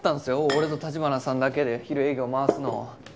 俺と城華さんだけで昼営業回すの。